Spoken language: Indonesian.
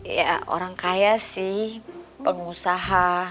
ya orang kaya sih pengusaha